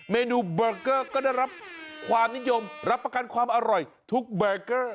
เมนูเบอร์เกอร์ก็ได้รับความนิยมรับประกันความอร่อยทุกเบอร์เกอร์